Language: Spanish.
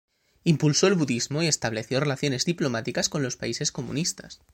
Impulsó el budismo y estableció relaciones diplomáticas con los países comunistas.